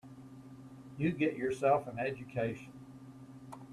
You get yourself an education.